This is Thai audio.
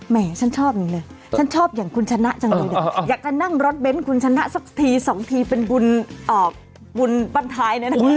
แม่ฉันชอบจังเลยฉันชอบอย่างคุณชนะจังเลยเนี่ยอยากจะนั่งรถเบ้นคุณชนะสักทีสองทีเป็นบุญบ้านท้ายเนี่ยนะ